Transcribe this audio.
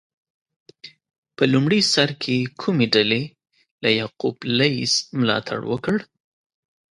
په لومړي سر کې کومې ډلې له یعقوب لیث ملاتړ وکړ؟